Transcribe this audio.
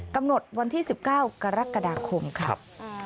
กำหนดวันที่๑๙กรกฎาคมครับ